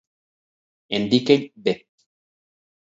En Dickey, B.